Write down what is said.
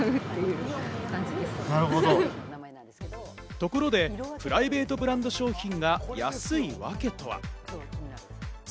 ところで、プライベートブランド商品が安いわけとは？